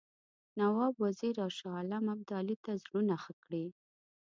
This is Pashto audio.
نواب وزیر او شاه عالم ابدالي ته زړونه ښه کړي.